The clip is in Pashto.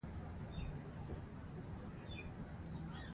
خج یې بلل کېږي.